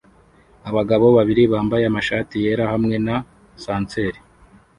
Abagabo babiri bambaye amashati yera hamwe na sanseri